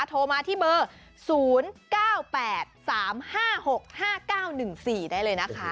โทรมาที่เบอร์๐๙๘๓๕๖๕๙๑๔ได้เลยนะคะ